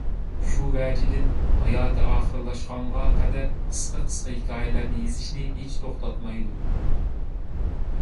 شۇ ۋەجىدىن، ھاياتى ئاخىرلاشقانغا قەدەر قىسقا-قىسقا ھېكايىلەرنى يېزىشنى ھېچ توختاتمايدۇ.